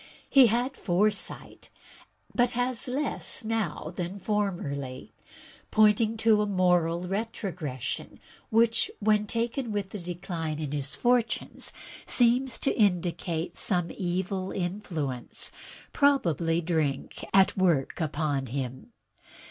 He had foresight, but has less now than formerly, pointing to a moral retrogression, which, when taken with the decline of his fortunes, seems to indicate some evil influence, probably drink, at work upon him.